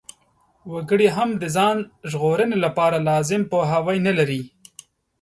وګړي هم د ځان ژغورنې لپاره لازم پوهاوی نلري.